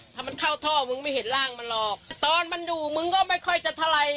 ถ้ามันเข้าท่อมึงไม่เห็นร่างมันหรอกตอนมันอยู่มึงก็ไม่ค่อยจะเท่าไร